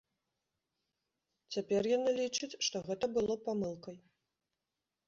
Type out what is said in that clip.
Цяпер яна лічыць, што гэта было памылкай.